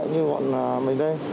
như bọn mình đây